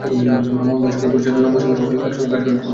মামুন ভাইয়ের সঙ্গে পরিচয় লম্বা সময়ের হলেও একসঙ্গে কাজ করেছি খুব কম।